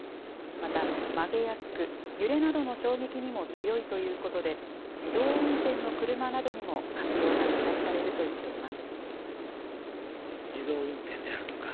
また、曲げやすく、揺れなどの衝撃にも強いということで、自動運転の車などにも活用が期待されるとしています。